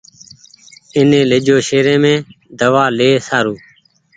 ايني ليجو شهريم دوآ لي سآرون